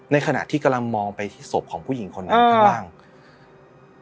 ขณะที่กำลังมองไปที่ศพของผู้หญิงคนนั้นข้างล่าง